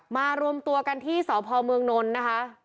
มารวมตัวกันที่สพเมืองนนท์นะคะ